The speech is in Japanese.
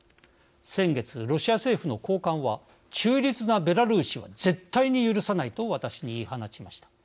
先月ロシア政府の高官は「中立なベラルーシは絶対に許さない」と私に言い放ちました。